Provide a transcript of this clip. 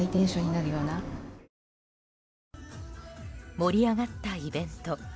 盛り上がったイベント。